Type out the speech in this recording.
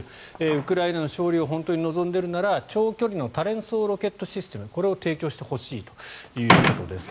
ウクライナの勝利を本当に望んでいるなら長距離の多連装ロケットシステムこれを提供してほしいということです。